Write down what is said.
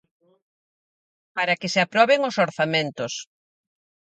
Para que se aproben os orzamentos.